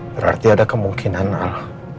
berarti ada kemungkinan al